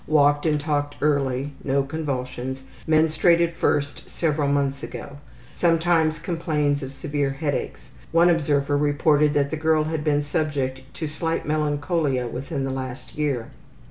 Walked and talked early. No convulsions. Menstruated first several months ago. Sometimes complains of severe headaches. One observer reported that the girl had been subject to slight melancholia within the last year.